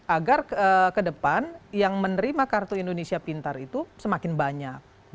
agar ke depan yang menerima kartu indonesia pintar itu semakin banyak